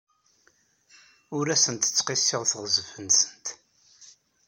Ur asent-ttqissiɣ teɣzef-nsent.